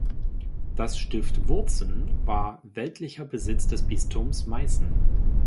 Das Stift Wurzen war weltlicher Besitz des Bistums Meißen.